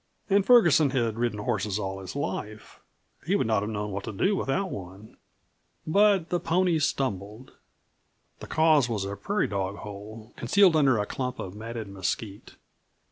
And Ferguson had ridden horses all his life; he would not have known what to do without one. But the pony stumbled. The cause was a prairie dog hole, concealed under a clump of matted mesquite.